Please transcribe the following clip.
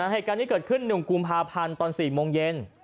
เหตุการณ์นี้เกิดขึ้น๑กุมภาพันธ์ตอน๔โมงเย็น